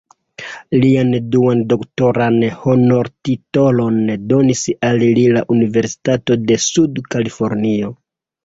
Lian duan doktoran honortitolon donis al li la Universitato de Sud-Kalifornio.